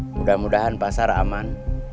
mudah mudahan pasar aman